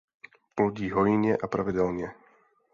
Plodí hojně a pravidelně.